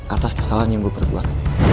atas kesalahan yang gue perbuat